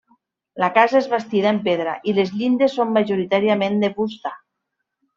La casa és bastida en pedra i les llindes són majoritàriament de fusta.